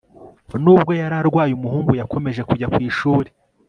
nubwo yari arwaye, umuhungu yakomeje kujya ku ishuri